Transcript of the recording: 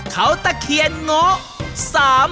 เขาตะเคียนโงะ